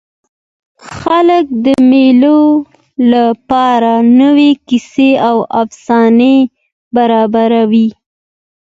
خلک د مېلو له پاره نوي کیسې او افسانې برابروي.